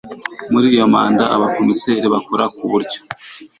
muri iyo manda abakomiseri bakora ku buryo